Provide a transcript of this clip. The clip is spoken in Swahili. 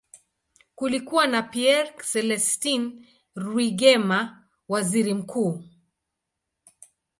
Kulikuwa na Pierre Celestin Rwigema, waziri mkuu.